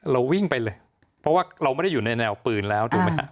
เราวิ่งไปเลยเพราะว่าเราไม่ได้อยู่ในแนวปืนแล้วถูกไหมฮะ